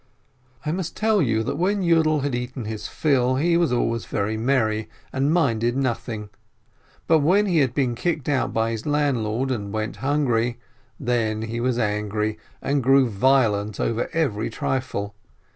I must tell you that when Yiidel had eaten his fill, he was always very merry, and minded nothing; but when he had been kicked out by his landlord, and went hungry, then he was angry, and grew violent over every trifle.